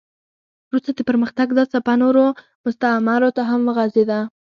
وروسته د پرمختګ دا څپه نورو مستعمرو ته هم وغځېده.